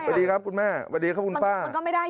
พอดีครับคุณแม่พอดีคุณป้า